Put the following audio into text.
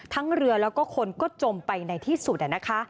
ทั้งเรือแล้วก็คนก็จมไปในที่สุดนะคะ